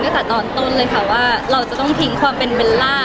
ตั้งแต่ตอนต้นเลยค่ะว่าเราจะต้องทิ้งความเป็นเบลล่า